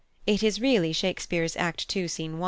It is really Shakespeare's Act ii., Scene 1.